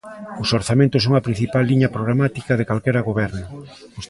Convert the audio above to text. Os orzamentos son a principal liña programática de calquera goberno.